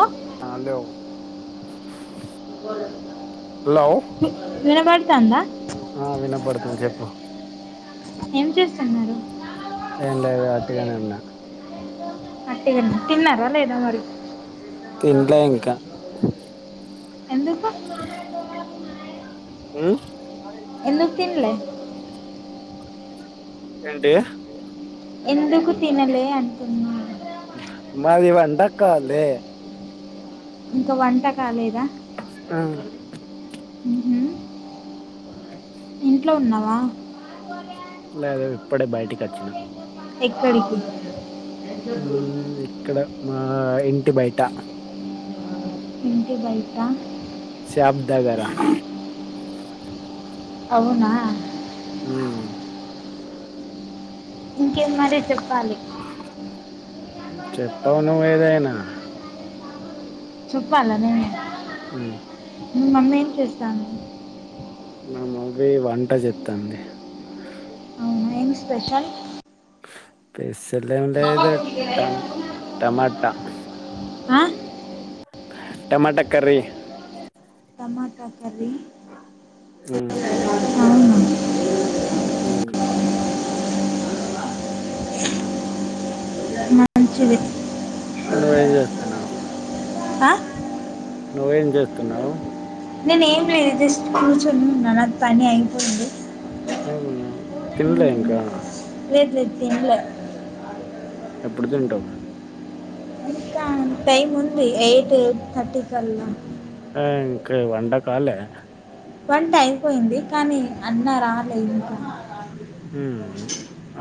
ఓ, ఆల్ డేమో బ వినబడతాందా ఆ వినపడుతుంది చెప్పు ఏం చేస్తన్నారు ఏం లేదు వొట్టిగానే ఉన్నా అట్టి గున్న తిన్నార లేదా మరి తిండ్లా ఇంకా ఎందుకు ఉ ఎందుకు తిండ్లె ఏంటి ఎందుకు తినలే అంటున్నా మాది వంటకాలే. ఇంకా వంట కాలేదా. ఆ హు హ్మ్ ఇంట్లో ఉన్నావా. లేదే ఇప్పుడే బైటికోచ్చినా. ఎక్కడికి. ఉమ్ ఇక్కడ మా ఇంటి బైట. ఇంటి బైటా. శాప్ దగ్గర. అవునా. ఉమ్. ఇంకేం మరి చేప్. చెప్పావు నువ్వేదైన. చూప్పాల నే. ఉమ్. మమ్మేం చేస్తంది. మా మవ్వి వంట జేత్తంది. ఏం స్పెషల్. స్పెసలేం లేదు టమ్ టమాట. ఆ. Tomato curry. Tomato curry. ఉమ్. అవునా. ఉమ్. మంచిది. నువ్వేం జేస్తున్నావ్. ఆ? నువ్వేం జేత్తున్నావ్. నేను ఏం లేదు జస్ట్ కూర్చుంటున్నానా పని ఐపోతది. అ తిన్లే ఇంకా. లెద్ లేద్ తిన్లె. ఎప్పుడు తింటావ్. గా టైమ్ ఉంది ఎయిట్ థర్టీకల్ల. ఆ ఇక వండ కాలే. వంట ఐపోయింది కానీ అన్న రాలే ఇంకా. ఉమ్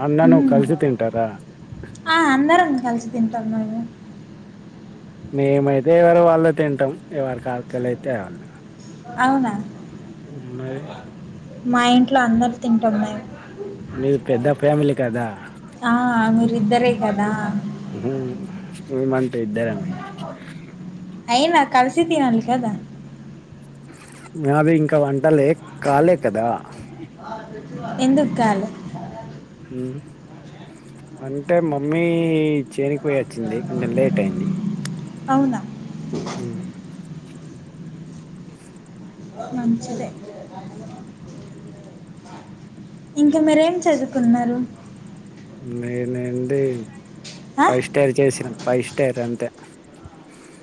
అన్న నువ్వు మ్మ్. కలిసి తింటారా. తింటాన్నాము. మేమైతే ఎవరు వాళ్ళే తింటాం ఎవరి కాకలైతే ఆళ్ళు. అవునా మరి. మా ఇంట్లో అందరు తింటాం టైమ్ కి. మీది పెద్ద ఫ్యామిలీ కదా. ఆ, మీరిద్దరే కదా ఉమ్ ఏమంటే ఇద్దరమే. ఐనా కల్సి తినాలి కదా. నాభి ఇంకా వంటలే కాలే కదా. ఎందుగాలే. ఉమ్ అంటే మమ్మీ చేని. పోయోచ్చింది కొంచెం లేట్ ఇంది. అవునా మంచిదే. ఇంకా మీరేం చదువుకున్నారు. నేనుడి ఆ? ఫైవ్ స్టార్ చేసిన ఫైవ్ స్టార్ అంతే.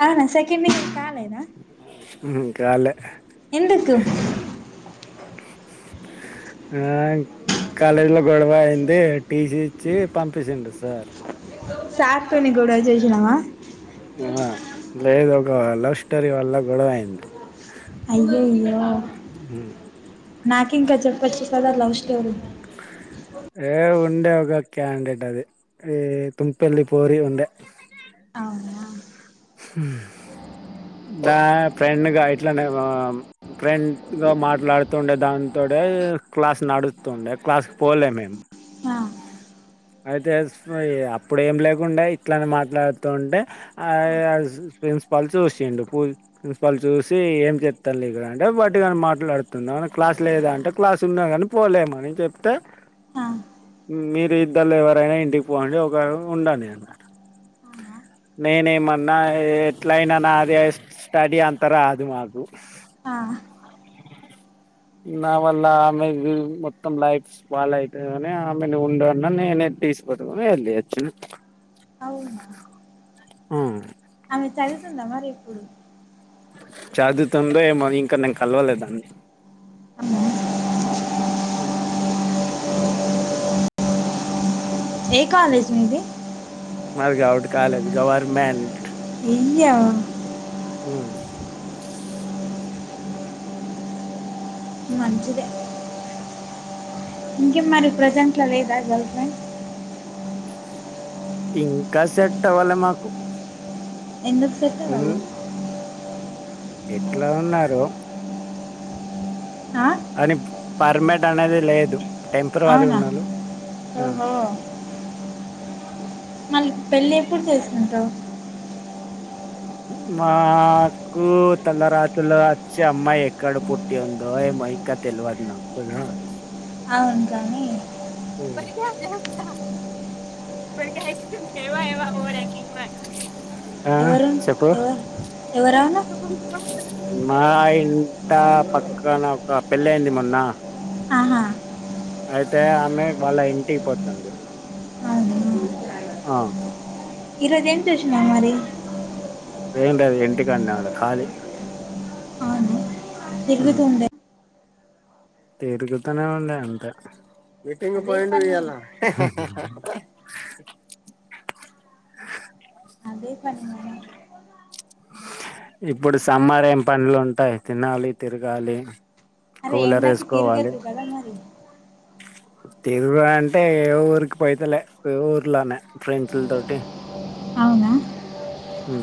అవునా సెకండ్ ఇయర్ కాలేదా మ్మ్ కాలే ఎందుకు ఆ కాలేజీ లో గొడవ అయింది టీసీ ఇచ్చి పంపించాడు సార్ సార్ తోని గొడవ చేసినవా ఆ లేదు ఒక లవ్ స్టోరీ వల్ల గొడవైంది అయ్యోయ్యో ఉమ్. నాకింకా చప్పొచ్చుకదా లవ్ స్టోరీ ఏ ఉండ్ ఉండే ఒక క్యాండేట్ అది ఈ తుంపెల్లి పోరి ఉండె అవునా మ్మ్ హ్ ఫ్రెండ్గా ఇట్లానే ఫ్రెండ్గా మాట్లాడుతూ ఉండే దాంతో ఇప్పుడే క్లాస్ నడుస్తుండే క్లాస్ పోలే మేము ఆ అయితే అప్పుడు ఏం లేకుండే ఇట్లనే మాట్లాడుతూ ఉంటే ప్రిన్సిపాల్ చూసిండి ప్రిన్సిపాల్ చూసి ఏం చెప్తన్రు ఇక్కడ అంటే ఒట్టి గానే మాట్లాడుతున్నా మన క్లాస్ లేదా అంటే క్లాస్ ఉన్నా కాని పోలేదని చెప్తే ఆ మీరు ఇద్దరు ఎవరైనా ఇంటికి పోండి ఒకరు ఉండండి అన్నారు అ నేనేమన్నా ఎట్ల అయినా నాకు స్టడీ అంతా రాదు మాకు ఆహ్హ్ నా వల్ల ఆమె మొత్తం లైఫ్ స్పయిల్ అయితదని ఆమెని ఉండు నేనే అక్కడ నుంచి వెల్లి వచ్చినా అవునా ఆ ఆమె చదువుతుందా మరి ఇప్పుడు చదువుతుందో ఏమో ఇంకా నేను కలవలే తనని హు ఏ ఆ, కాలేజ్ మీది మాది గౌట్ కాలేజ్ గవర్నమెంట్ అయ్యో అ మంచిదే ఇంక మరి ప్రజెంట్ లో లేదా గర్ల్ ఫ్రెండ్ ఇంకా సెట్ అవ్వాలే మాకు ఎందుకు సెట్ అవ్వదు ఉన్- ఎట్లా ఉన్నారు ఆ అని పర్మినెంట్ అనేది లేదు టెంపరీవరీ అవునా ఉన్నారు ఓహో మళ్ళీ పెళ్ళి ఎప్పుడు చేసుకుంటావు మాకు తల రాతలో వచ్చే అమ్మాయి ఎక్కడ పుట్టి ఉందో ఏమో ఇంకా తెల్వదు నాకు అవును కాని ఇప్పటికే ఎక్కువ ఓవర్ యాక్టింగ్ ఆ ఎవరు చెప్పు ఎవరు ఎవరవును మా ఇంట పక్కన ఒక పెళ్ళి అయింది మొన్న ఆహా అయితే ఆమె వాళ్ళ ఇంటికి పోతంది ఆ ఈ రోజు ఏం చేసినవ్ మరి ఏం లేదు ఇంటికాన్నే ఖాళీగా ఉన్న తిరుగుతుందె తిరుగుతనేఉండే అంతే మీటింగ్ అదే పోయిండు పని ఈయల అదే పని మరీ ఇప్పుడు సమ్మార్ ఏం పనులు ఉంటాయి తినాలి తిరగాలి అరే కూలర్ ఎండకి వేసుకోవాలి తిరుగద్దు కదా మరి తిరుగు అంటే ఏ ఊరికి పోతలే ఏ ఊర్లోనే ఫ్రెండ్స్ల తోటి అవునా హ్మ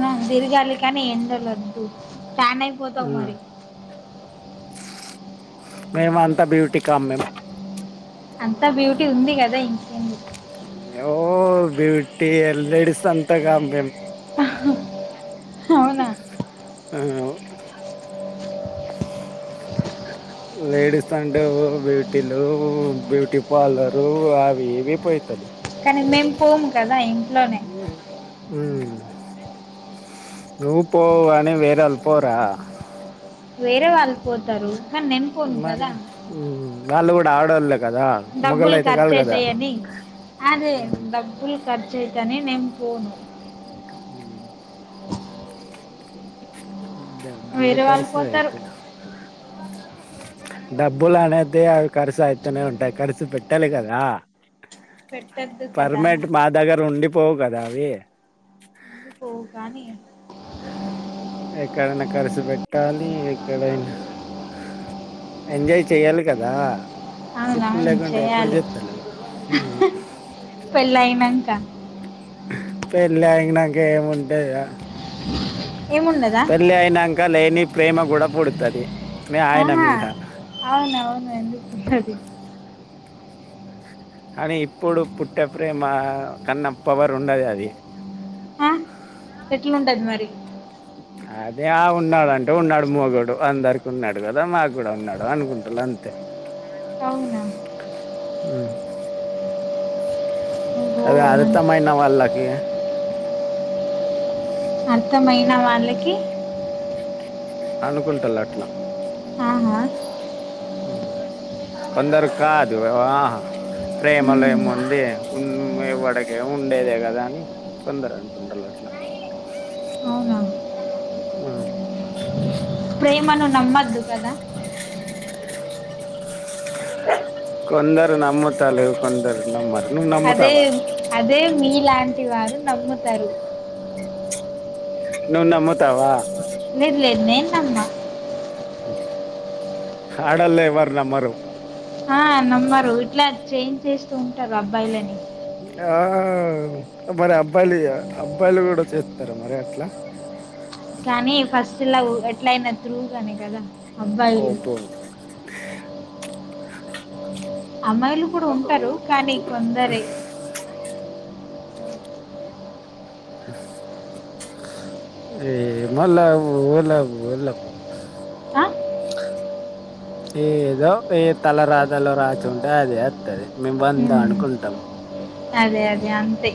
ఆ తిరగాలి కానీ ఎండలద్దు టాన్ అయిపోతావు మరి మేము అంతా బ్యూటీ కామ్ మేమ్ అంతా బ్యూటీ ఉంది కదా ఇంకేమి ఓ బ్యూటి లేడిస్ అంతా కామ్ మేము అవునా అ లేడీస్ అంటే బ్యూటీలు బ్యూటీ పార్లరు అవి ఇవి పోయితారు కానీ మేము పోం కదా ఇం హ్మ ఉ నువ్ పోవుగాని వేర వాళ్ళు పోరా వేరే వాళ్ళు పోతారు కానీ నేను పోను మరి కదా వాళ్ళు కూడా ఆడోళ్లే డబ్బుల్ ఖర్చు అయితాయని అదే డబ్బుల్ ఖర్చుయితాని నేన పోను హ్మ డబ్బులు వేరే వాళ్ళు కర్స పోతారు అయితే డబ్బులు అనేది అవి ఖర్చు అయితానే ఉంటాయి ఖర్చు పెట్టాలి కదా పెట్టద్దు కదా పర్మిట్ మా దగ్గర ఉండిపోవు కదా అవి పోవు కానీ ఎక్కడైనా కర్సు పెట్టాలి ఎక్కడైనా ఎంజాయ్ చెయ్యాలి కదా ఇప్పుడు అవునవును లేకుంటే ఎప్పుడు చేయాలి చెత్తారు హ్మ్ పెళ్లి అయినక్క పెళ్లి అయినక్క ఏముంటద ఏముండదా పెళ్లి అయినక్క లేని ప్రేమ కూడా పుడుతది మ ఆయనా ఆహా మీధ అవునవును ఎందుకు ఉండదు కానీ ఇప్పుడు పుట్టే ప్రేమ కన్నా పవర్ ఉండది అది ఆ ఎట్లు ఉంటది మరి అదే ఆ ఉన్నాడు అంటే ఉన్నాడు మొగడు అందరికి ఉన్నాడు కదా మాకు కూడా ఉన్నాడు అనుకుంటుారు అంతే అవున్ హ్మ ఓహో అది మన అర్థం అయిన వాళ్ళకి అర్థమైన వాళ్ళకి అనుకుంటలా అట్లా ఆహా కొందరుకి కాదు ఆ ప్రేమలో ఉమ్, ఏముంది ఉండేవలకి ఏమో ఉండేదే కదా అని కొందరు అనుకుంటారు మయి అవునా ఆ ప్రేమను నమ్మద్దు కదా కొందరు నమ్మ తలు కొందరు నమ్మరు నువ్వు అదే నమ్ముతావా అదే మీలాంటి వారు నమ్ముతారు నువ్ నమ్మతావా నిన్నేనమ్మా హడల్లో ఎవ్వరు నమ్మరు ఆ నమ్మరు ఇట్లా చేంజ్ చేస్తూ ఉంటారు అబ్బాయిలని ఆ మరి అబ్బాయిలు అబ్బాయిలు కూడా చేస్తారా మరి అట్లా కానీ ఫస్ట్ లవ్ ఎట్ల అయిన ట్రూ కానీ కదా అబ్బాయిలు ఓబ్బో అమ్మాయిలు కూడా ఉంటారు కానీ కొందరే ఏల లవ్వు లవ్వు లవ్వు ఆ? ఏదో ఏ తల రాత లో రాచు ఉంటే అదే అత్తది మేము వంద ఉమ్, అనుకుంటాము అదే అదే అంతే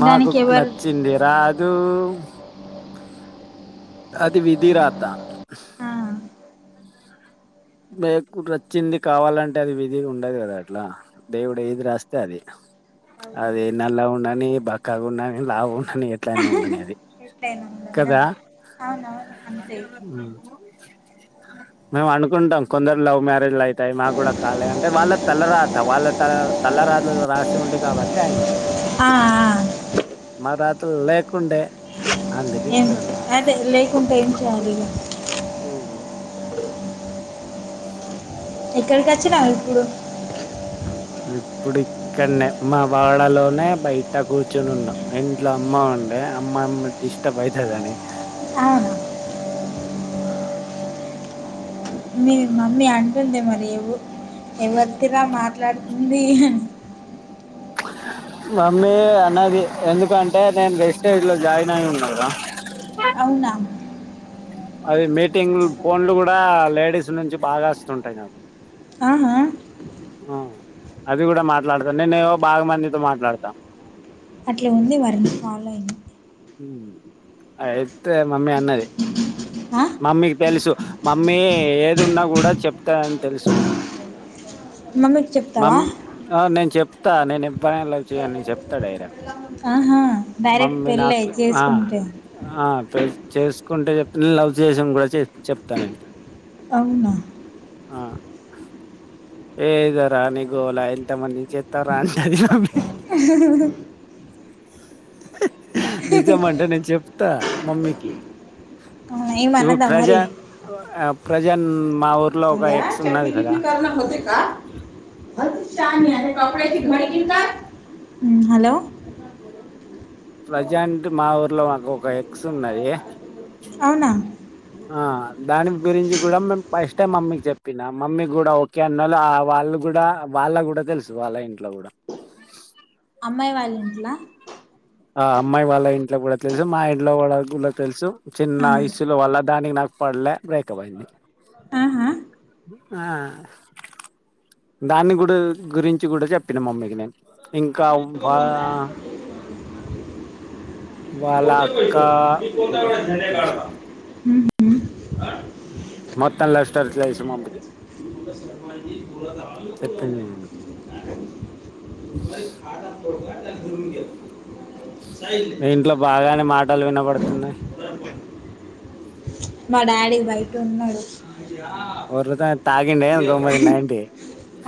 మాకు దానికి ఎవరు నచ్చింది రా దు అది విధి రాత ఆ, లే వచ్చింది కావాలంటే అది విధి ఉండదు కదా అట్లా దేవుడు అవునవును, ఏది రాస్తే అది అవును అది నల్ల ఉండని బక్కాగా ఉండని లాగా ఉండని ఎట్లయినా ఉండని అది అవునా ఉమ్ మా అనకు కుంటాం కొందరు లవ్ మ్యారేజ్లు అయితాయి మాకు కూడా కాలే అంటే వాళ్ళ తలరాత వాళ్ళ తల్లరాత రాసి ఉంంది కాబట్టి అయినాయి ఆ మ రాతలో లేకుండే అందుకే ఏం ఇట్లా ఉన్నా అదే లేకుంటే ఏం చేయాలి హ్మ్మ్ ఎక్కడికి వచ్చినావ్ ఇప్పుడు ఇప్పుడు ఇక్కడనే మా వాడ లోనే బయట కూర్చొని ఉన్నాం ఇంట్లో అమ్మ ఉ అంటే అమ్మ అమ్మ డిస్టర్బైతాదనీ అవునా మీ మమ్మీ అంటుంది మరి ఎవ ఎవతిరా మాట్లాడుతుందని అ మమ్మీ అన్నది ఎందుకంటే నేను వెస్టేజ్ లో జాయిన్ అయి ఉన్నా కదా అవునా అవి మీటింగ్ ఫోన్లు కూడా లేడీస్ నుంచి బాగా వస్తుంటాయి నాకు ఆహా ఆ అది కూడా మాట్లాడతాను నేనే ఏవో బాగా మందితో మాట్లాడతా అట్లా ఉంది మరి ఫాలోయింగ్ హుమ్ అయితే మమ్మీ అన్నది ఆ? మమ్మీకి తెలుసు మమ్మీ ఏది ఉన్నా కూడా చెప్తానని తెలుసు మమ్మీ మమ్మీకి చెప్తావా స్తా నేను ఇబ్బ్రా లవ్ చేయన చెప్త డైరెక్ట్ ఆహా డైరెక్ట్ మమ్మీ పెళ్ళే నాకు ఆ చేసుకుంటే ఆ చేసుకుంటే చెప్త నేను లవ్ చేసాం కూడా చెప్తాను నేను అవునా ఆ ఏదో రాని గోలా ఇంతమంది చెత్తారా అంటది మమ్మి నిజమంటే నేను చెప్తా మమ్మీకి అవునా ఇవి ఏమన్నదా ప్రజా మరి ప్రజన్ మా ఊరు సంధ్య చట్నీ కిటనీ కణతే కా హ హలో ప్రజంట్ మా ఊర్లో మాకు ఒక ఎక్స్ ఉన్నాయి అవునా ఆ దాని గురించి కూడా మేము ఫస్ట్ టై మమ్మీకి చెప్పిన మమ్మీ కూడా ఓకే అన్నారు వాళ్ళు కూడా వాళ్ళ కూడా తెలుసు వాళ్ళ ఇంట్లో కూడా అమ్మాయి వాళ్ళింట్లా ఆ అమ్మాయి వాళ్ళ ఇంట్లో కూడా తెలుసు మా ఇంట్లో వా కూడా తెలుసు చిన్న ఆహా. ఇసులు వల్ల దానికి నా పడలే బ్రేక్ప్ అయిడి ఆ ఆ దాన్ని కూడా గురించి కూడా చెప్పిన మమ్మీకి నేను ఇంకా వాళ్ళ కొతేస అక్క మీ కొంత కూడా జే కడవా మత్తం అస్ర చేైసు మాంబకి అ నేను రి ఇంట్లో బాగానే మాటలు వినబడుతున్నాయి మా డాడీ బై ఒర్రుతా తాగిండే గమ్మది నైంటీ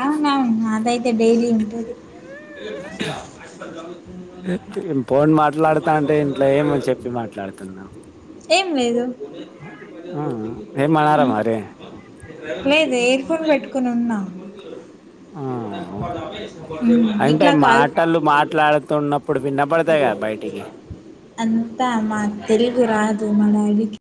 అవున అవును అదయితే డైలీ ఉంటది ఫోన్ డుతున్నా ఏం లేదు ఏమన్నారా మరి లేదు ఇయిర్ ఫోన్ పెట్టుకుని ఉన్నా ఆ అంటే ఎట్లా కాాల మాటలు మాట్లాడుతున్నప్పుడు విన్నపడతాయి కదా బయటికి అంతా మా తెలుగు రాదు మ అడికి